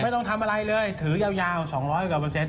ต้องทำอะไรเลยถือยาว๒๐๐กว่าเปอร์เซ็น